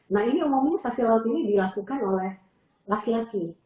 nah ini umumnya sasi laut ini dilakukan oleh laki laki